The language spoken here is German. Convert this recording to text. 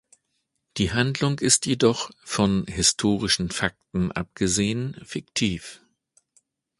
Die Handlung ist jedoch, von historischen Fakten abgesehen, fiktiv.